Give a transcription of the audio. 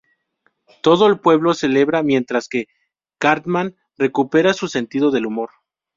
Todo el pueblo celebra mientras que Cartman recupera su sentido del humor.